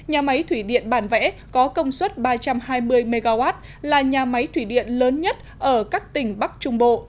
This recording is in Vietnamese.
nhà máy thủy điện bản vẽ có công suất ba trăm hai mươi mw là nhà máy thủy điện lớn nhất ở các tỉnh bắc trung bộ